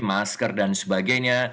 masker dan sebagainya